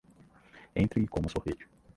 Entre e coma sorvete